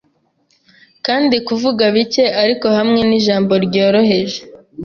Kandi kuvuga bike ariko hamwe nijambo ryoroheje